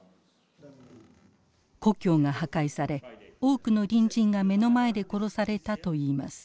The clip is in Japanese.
故郷が破壊され多くの隣人が目の前で殺されたといいます。